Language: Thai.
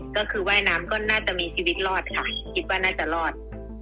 ก็คือว่ายน้ำก็น่าจะมีชีวิตรอดค่ะคิดว่าน่าจะรอด